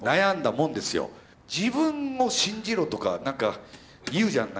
自分を信じろとかなんか言うじゃん。